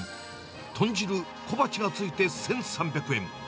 豚汁、小鉢がついて１３００円。